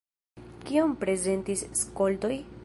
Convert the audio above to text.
Kion prezentis skoltoj?